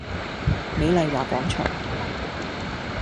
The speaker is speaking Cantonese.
美麗華廣場